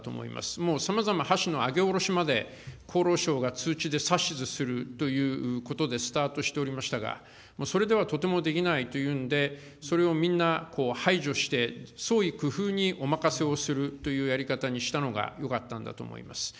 もうさまざまな箸の上げ下ろしまで、厚労省が通知で指図するということでスタートしておりましたが、それではとてもできないというんで、それをみんな排除して、創意工夫にお任せをするというやり方にしたのが、よかったんだと思います。